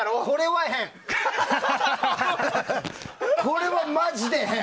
これはマジで変！